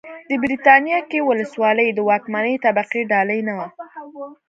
په برېټانیا کې ولسواکي د واکمنې طبقې ډالۍ نه وه.